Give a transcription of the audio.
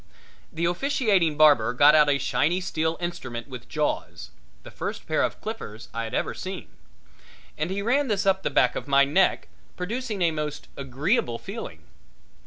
The officiating barber got out a shiny steel instrument with jaws the first pair of clippers I had ever seen and he ran this up the back of my neck, producing a most agreeable feeling.